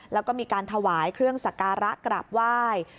แล้วก็มีการถวายเครื่องสักการะกราบไหว้